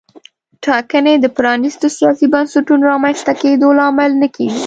ټاکنې د پرانیستو سیاسي بنسټونو رامنځته کېدو لامل نه کېږي.